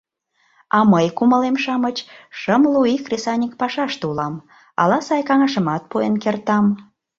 А мый, кумылем-шамыч, шымлу ий кресаньык пашаште улам, ала сай каҥашымат пуэн кертам.